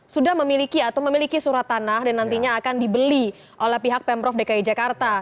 sudah memiliki atau memiliki surat tanah dan nantinya akan dibeli oleh pihak pemprov dki jakarta